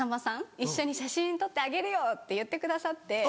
一緒に写真撮ってあげるよって言ってくださって。